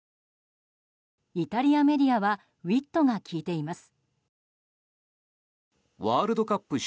イタリアメディアはウィットが効いています。